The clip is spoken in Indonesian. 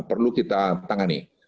dan perlu kita tangani